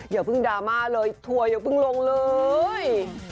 อย่าเพิ่งดราม่าเลยทัวร์อย่าเพิ่งลงเลย